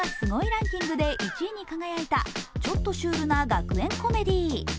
ランキングで１位に輝いたちょっとシュールな学園コメディ。